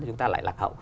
chúng ta lại lạc hậu